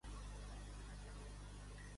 Més excel·lent i conegut que el raper Eminem.